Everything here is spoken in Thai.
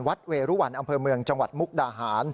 เวรุวันอำเภอเมืองจังหวัดมุกดาหาร